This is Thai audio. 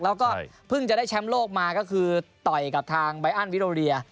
แล้วก็เพิ่งจะได้แชมป์โลกมาก็คือต่อยกับทางใบอันวิโรเรีย